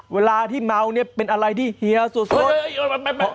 เวลาที่เมาเนี่ยเป็นอะไรที่เฮียสุด